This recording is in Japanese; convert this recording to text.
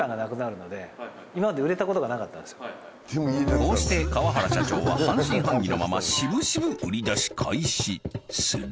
こうして川原社長は半信半疑のまましぶしぶ売り出し開始するとこれが